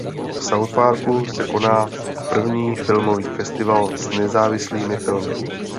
V South parku se koná první filmový festival s nezávislými filmy.